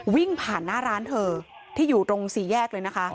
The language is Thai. วิ่งผ่านหน้าร้านเธอที่อยู่ตรงสี่แยกเลยนะคะ